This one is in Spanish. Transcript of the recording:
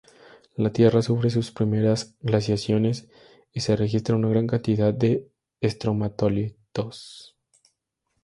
La Tierra sufre sus primeras glaciaciones y se registra una gran cantidad de estromatolitos.